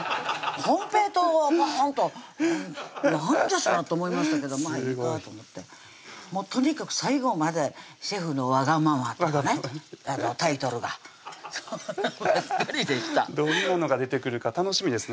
金平糖をぽーんと何じゃそりゃと思いましたけどまぁいいかと思ってもうとにかく最後まで「シェフのわがまま」とかねタイトルがそんなんばっかりでしたどういうものが出てくるか楽しみですね